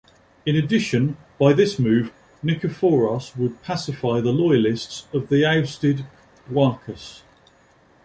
In addition, by this move Nikephoros would pacify the loyalists of the ousted Doukas.